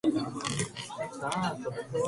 野球観戦が好きだ。